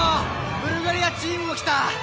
ブルガリアチームも来た！